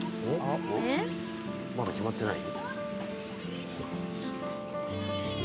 まだ決まってない？